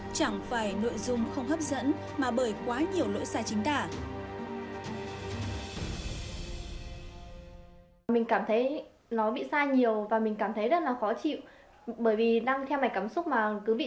chẳng phải nội dung không hấp dẫn mà bởi quá nhiều lỗi sai chính tả